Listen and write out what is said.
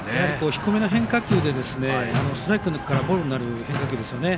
低めの変化球でストライクからボールになる変化球ですよね。